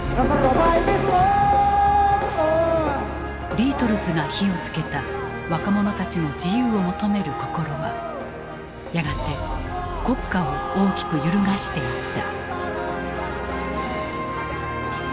ビートルズが火を付けた若者たちの自由を求める心はやがて国家を大きく揺るがしていった。